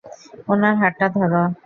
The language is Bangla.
উনার হাতটা ধরো!